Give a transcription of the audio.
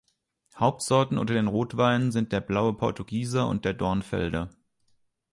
Hauptsorten unter den Rotweinen sind der Blaue Portugieser und der Dornfelder.